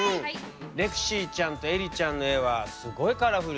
レクシーちゃんとえりちゃんの絵はすこいカラフルだね。